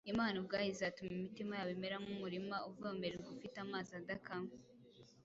Imana ubwayo izatuma imitima yabo imera nk’umurima uvomererwa ufite amazi adakama,